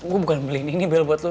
gue bukan beli ini bel buat lo